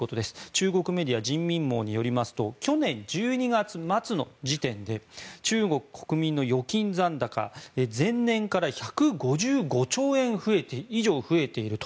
中国メディア人民網によりますと去年１２月末の時点で中国国民の預金残高前年から１５５兆円以上増えていると。